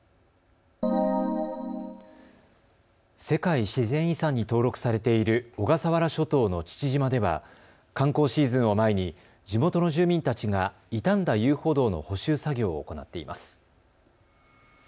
世界自然遺産に登録されている小笠原諸島の父島では観光シーズンを前に地元の住民たちが傷んだ遊歩道の補修作業を行っています。